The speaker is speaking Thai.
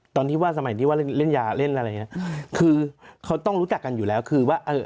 ตอนที่ว่าสมัยที่ว่าเล่นเล่นยาเล่นอะไรอย่างเงี้ยคือเขาต้องรู้จักกันอยู่แล้วคือว่าเออ